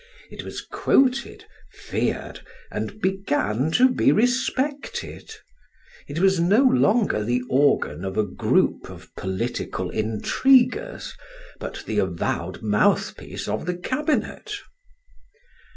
It was quoted, feared, and began to be respected: it was no longer the organ of a group of political intriguers, but the avowed mouthpiece of the cabinet.